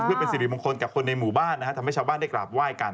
เพื่อเป็นสิริมงคลกับคนในหมู่บ้านนะฮะทำให้ชาวบ้านได้กราบไหว้กัน